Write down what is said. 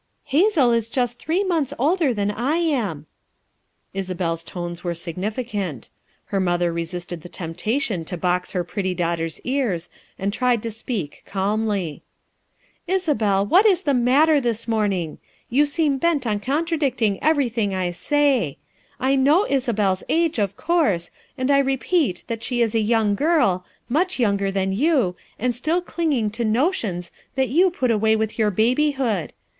"Hazel is just three months older than I am," Isabel's tones were significant. Her mother resisted the temptation to box her pretty daughter's ears and tried to speak calmly. "Isabel, what is the matter, this morning! You seem bent on contradicting everything I say. I know Hazel's age, of course, and I re peat that she is a young girl, much younger than you, and still clinging to notions that you put away with your babyhood.